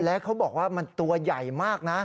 และเขาบอกว่ามันตัวใหญ่มากนะ